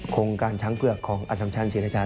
โครงการช้างเผือกของอสัมชันศรีราชา